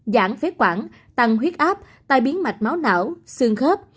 giảm phế quản tăng huyết áp tai biến mạch máu não xương khớp